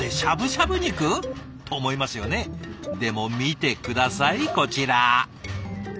でも見て下さいこちら。